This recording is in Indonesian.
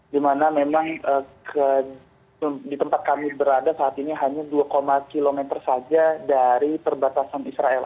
di mana memang di tempat kami berada saat ini hanya dua km saja dari perbatasan israel